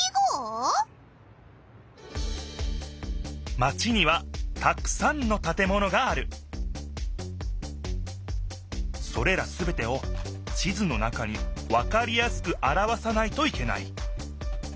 マチにはたくさんのたてものがあるそれらすべてを地図の中にわかりやすくあらわさないといけない